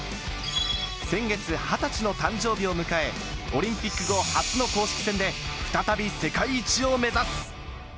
先月２０歳の誕生日を迎え、オリンピック後、初の公式戦で再び世界一を目指す。